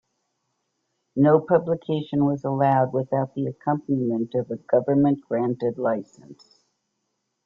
No publication was allowed without the accompaniment of a government-granted license.